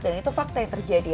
dan itu fakta yang terjadi